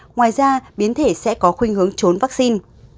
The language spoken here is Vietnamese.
ngoài ra biến thể sẽ có khuyên hướng trốn vaccine